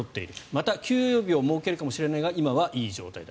また休養日を設けるかもしれないが今はいい状態だ。